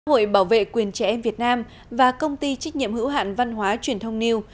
hội bảo vệ quyền trẻ em việt nam và công ty trách nhiệm hữu hạn văn hóa truyền thông news